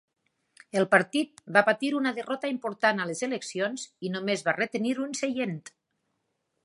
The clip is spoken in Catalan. El partit va patir una derrota important a les eleccions i només va retenir un seient.